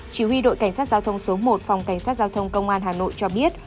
chỉ huy đội cảnh sát giao thông số một phòng cảnh sát giao thông công an hà nội cho biết